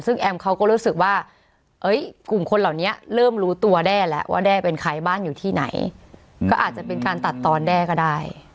ซึ่งแอมเขาก็รู้สึกว่ากลุ่มคนเหล่านี้เริ่มรู้ตัวแด้แล้วว่าแด้เป็นใครบ้านอยู่ที่ไหนก็อาจจะเป็นการตัดตอนแด้ก็ได้